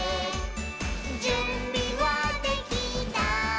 「じゅんびはできた？